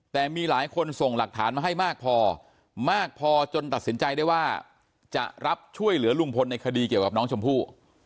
แต่มีหลายคนส่งหลักฐานมาให้มากพอมากพอจนตัดสินใจได้ว่าจะรับช่วยเหลือลุงพลในคดีเกี่ยวกับน้องชมพู่